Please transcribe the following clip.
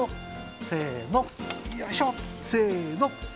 せの！